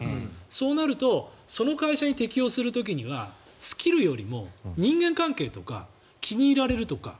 そうなるとその会社に適応する時にはスキルよりも人間関係とか気に入られるとか。